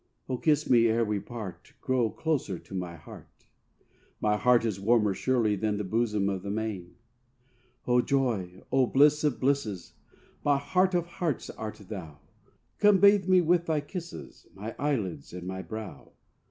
Oh kiss me ere we part; Grow closer to my heart. My heart is warmer surely than the bosom of the main. Oh joy! O bliss of blisses! My heart of hearts art thou. Come bathe me with thy kisses, My eyelids and my brow.